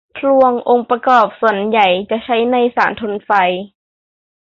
พลวงองค์ประกอบส่วนใหญ่จะใช้ในสารทนไฟ